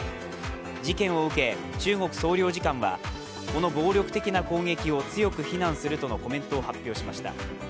事件を受け、中国総領事館はこの暴力的な攻撃を強く非難するとのコメントを発表しました。